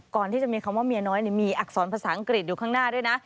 ก่อนที่จะมีคำว่าเมียน้อยมีอักษรภาษาอังกฤษอยู่ข้างหน้าด้วยนะ